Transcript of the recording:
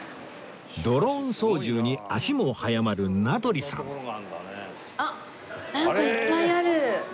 ドローン操縦に足も速まる名取さんあっなんかいっぱいある！